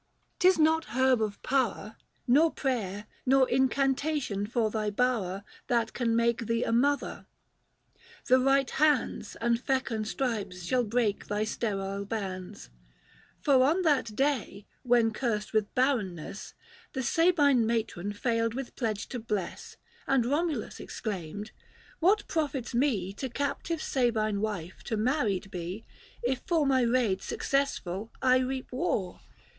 'Tis not herb of power, Nor prayer, nor incantation for thy bower, That can make thee a mother : the right hands And fecund stripes shall break thy sterile bands ; 445 For on that day, when cursed with barrenness, The Sabine matron failed with pledge to bless And Romulus exclaimed, " What profits me To captive Sabine wife to married be, If for my raid successful I reap war